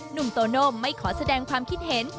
หนุ่มโตโน่ไม่ขอแสดงความคิดเห็น